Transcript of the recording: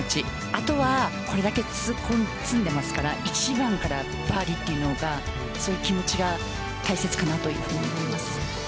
あとはこれだけ積んでますから１番からバーディというのがそういう気持ちが大切かなと思います。